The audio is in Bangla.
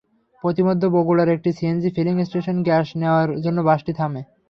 পথিমধ্যে বগুড়ার একটি সিএনজি ফিলিং স্টেশনে গ্যাস নেওয়ার জন্য বাসটি থামে।